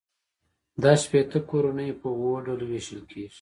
دا شپیته کورنۍ په اووه ډلو وېشل کېږي